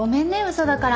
嘘だから。